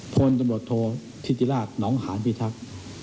พลโดโทษทิจิราชหนองหานพิทักษ์